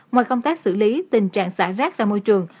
ngoài công tác xử lý tình trạng xả rác ra môi trường